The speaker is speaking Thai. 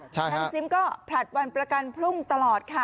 ทั้งซิมก็ผลัดวันประกันพรุ่งตลอดค่ะ